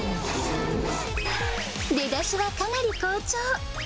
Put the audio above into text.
出だしはかなり好調。